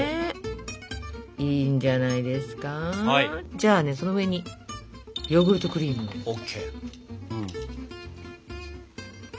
じゃあねその上にヨーグルトクリーム。ＯＫ！